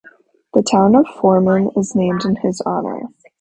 The town of Foreman is named in his honor.